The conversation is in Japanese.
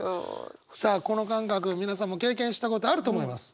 さあこの感覚皆さんも経験したことあると思います。